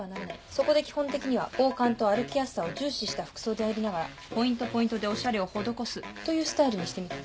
そこで基本的には防寒と歩きやすさを重視した服装でありながらポイントポイントでおしゃれを施すというスタイルにしてみた。